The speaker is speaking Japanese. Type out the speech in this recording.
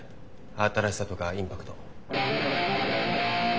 新しさとかインパクト。